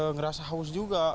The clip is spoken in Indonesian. ngerasa haus juga